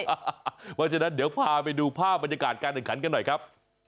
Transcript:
เพราะฉะนั้นเดี๋ยวพาไปดูภาพบรรยากาศการแข่งขันกันหน่อยครับ